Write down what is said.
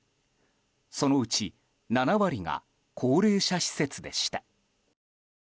そのうち７割が高齢者施設でした。